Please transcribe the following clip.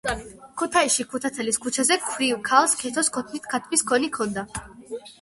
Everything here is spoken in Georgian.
ქუთაისში ქუთათელის ქუჩაზე ,ქვრივ ქალ ქეთოს ქოთნით ქათმის ქონი ქონდა